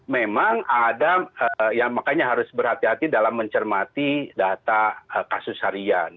memang ada yang makanya harus berhati hati dalam mencermati data kasus harian